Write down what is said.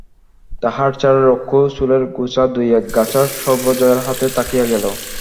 তাহার ছেঁড়া রুক্ষ চুলের গোছা দু-এক গাছা সর্বজয়ার হাতে থাকিয়া গেল।